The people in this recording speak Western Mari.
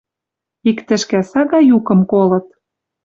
Ик тӹшкӓ сага юкым колыт: